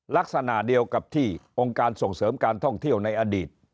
ลักษณะเดียวกับที่องค์การส่งเสริมการท่องเที่ยวในอดีต